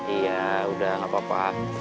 iya udah gapapa